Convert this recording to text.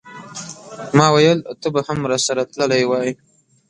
ماویل ته به هم راسره تللی وای.